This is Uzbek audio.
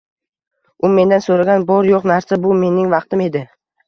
U mendan so`ragan bor-yo`q narsa, bu mening vaqtim edi